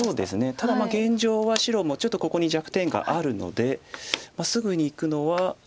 ただ現状は白もちょっとここに弱点があるのですぐにいくのは。